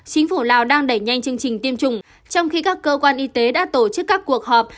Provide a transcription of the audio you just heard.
chính phủ lào đang đẩy nhanh chương trình tiêm chủng trong khi các cơ quan y tế đã tổ chức các cuộc họp